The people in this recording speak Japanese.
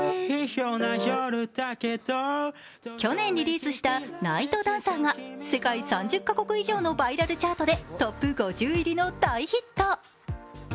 去年リリースした「ＮＩＧＨＴＤＡＮＣＥＲ」が世界３０か国以上のバイラルチャートでトップ５０入りの大ヒット。